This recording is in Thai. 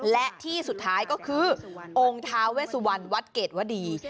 และที่สุดท้ายก็คือองค์ท้าเวสวันวัดเกรดวดี